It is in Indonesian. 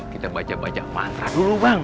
kita baca baca mantra dulu bang